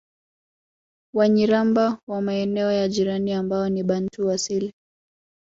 Wanyiramba wa maeneo ya jirani ambao ni Bantu asili